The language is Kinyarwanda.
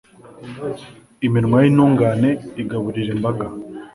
iminwa y'intungane igaburira imbaga